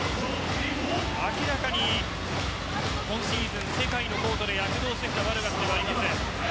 明らかに今シーズン世界のコートで躍動してきたバルガスではありません。